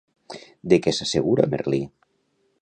De què s'assegura Merlí?